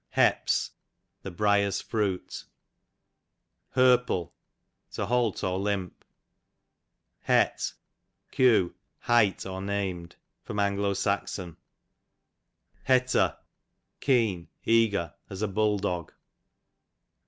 Heps, the briers fruit. Herple, to halt or limp. Het, q. hight, or named. A. S. Hetter, keen, eager, as a hull dog.